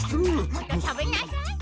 もっと食べなさい。